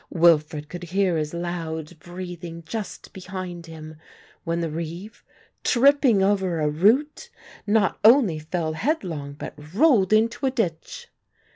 Wilfred could hear his loud breathing just behind him, when the reeve, tripping over a root, not only fell headlong but rolled into a ditch.